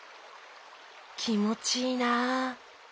きもちいいなあ。